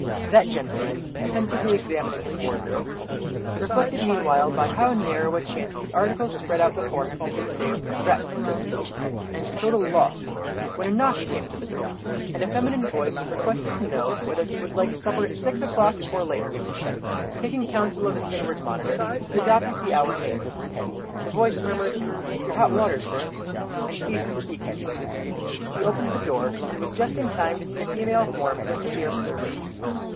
That gentleman, pensively examining his wardrobe, reflected meanwhile by how narrow a chance the articles spread out before him had been saved from wreck, so to speak, and total loss, when a knock came to the door, and a feminine voice requested to know whether he would like supper at six o'clock or later. Taking counsel of his inward monitor, he adopted the hour named. The voice murmured, "Your hot water, sir," and ceased speaking. He opened the door, and was just in time to see a female form disappear from the room.